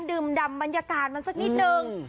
ดื่มดำบรรยากาศมันสักนิดนึง